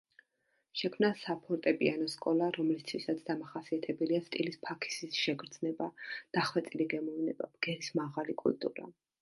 შექმნა საფორტეპიანო სკოლა, რომლისთვისაც დამახასიათებელია სტილის ფაქიზი შეგრძნება, დახვეწილი გემოვნება, ბგერის მაღალი კულტურა.